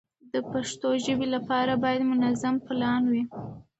د پښتو ژبې لپاره باید منظم پلان وي.